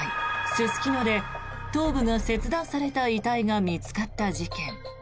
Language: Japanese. すすきので頭部が切断された遺体が見つかった事件。